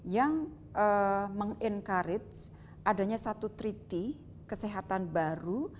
yang meng encourage adanya satu treaty kesehatan baru